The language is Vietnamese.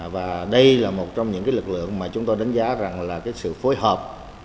và đây là một trong những lực lượng mà chúng tôi đánh giá là sự phối hợp